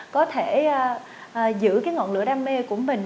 có thể giữ ngọn lửa đam mê của mình